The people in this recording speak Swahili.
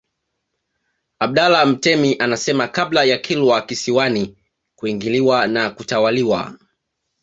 Abdallah Mtemi anasema kabla ya Kilwa Kisiwani kuingiliwa na kutawaliwa